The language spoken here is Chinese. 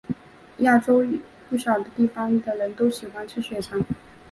亚洲不少地方的人都喜欢吃血肠。